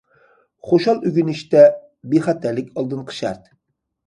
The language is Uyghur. خۇشال ئۆگىنىشتە بىخەتەرلىك ئالدىنقى شەرت.